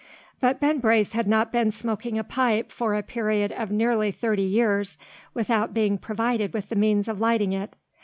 But Ben Brace had not been smoking a pipe for a period of nearly thirty years, without being provided with the means of lighting it.